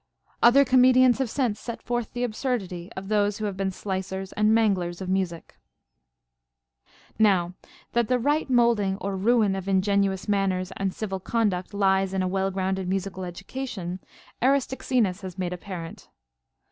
Other comedians have since set forth the absurdity of those who have been slicers and manglers of music. 31. Now that the right moulding or ruin of ingenuous manners and civil conduct lies in a well grounded musical education, Aristoxenus has made apparent.